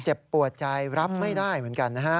เจ็บปวดใจรับไม่ได้เหมือนกันนะฮะ